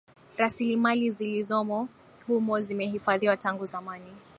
Rasilimali zilizomo humo zimehifadhiwa tangu zamani